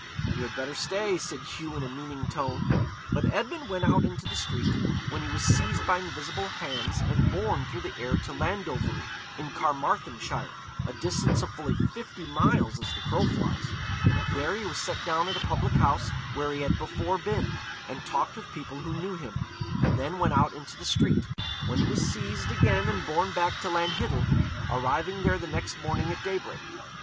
'You had better stay,' said Hugh in a meaning tone. But Edmund went out into the street, when he was seized by invisible hands and borne through the air to Landovery, in Carmarthenshire, a distance of fully fifty miles as the crow flies. There he was set down at a public house where he had before been, and talked with people who knew him. He then went out into the street, when he was seized again and borne back to Lanhiddel, arriving there the next morning at daybreak.